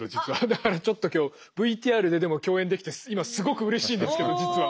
だからちょっと今日ＶＴＲででも共演できて今すごくうれしいんですけど実は。